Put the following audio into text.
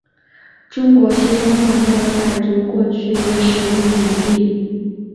中国西双版纳的傣族过去也使用缅历。